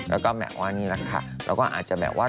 แล้วก็แหมว่านี่แหละค่ะเราก็อาจจะแบบว่า